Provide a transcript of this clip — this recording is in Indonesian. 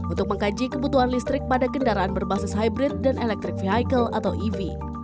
untuk mengkaji kebutuhan listrik pada kendaraan berbasis hybrid dan electric vehicle atau ev